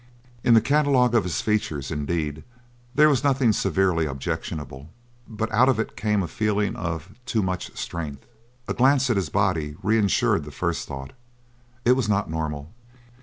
In the catalogue of his features, indeed, there was nothing severely objectionable; but out of it came a feeling of too much strength! A glance at his body reinsured the first thought. It was not normal.